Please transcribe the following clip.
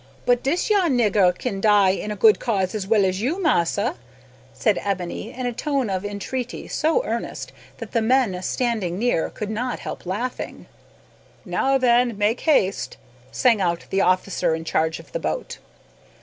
"But dis yar nigger kin die in a good cause as well as you, massa," said Ebony, in a tone of entreaty so earnest that the men standing near could not help laughing. "Now then, make haste," sang out the officer in charge of the boat.